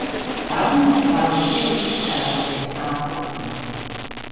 Tad nu varu viegli iztēloties nākotni.